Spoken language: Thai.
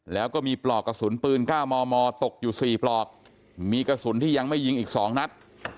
แล้วก็มีปลอกกระสุนปืน๙มมตกอยู่๔ปลอกมีกระสุนที่ยังไม่ยิงอีก๒นัด